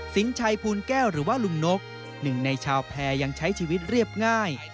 ชัยภูลแก้วหรือว่าลุงนกหนึ่งในชาวแพร่ยังใช้ชีวิตเรียบง่าย